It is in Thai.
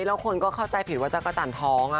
แล้วคนก็เข้าใจผิดว่าจักรจันทร์ท้อง